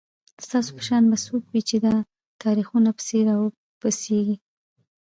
ستاسو په شان به څوک وي چي دا تاریخونه پسي راوسپړي